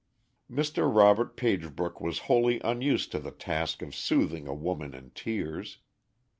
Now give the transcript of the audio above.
Mr. Robert Pagebrook was wholly unused to the task of soothing a woman in tears.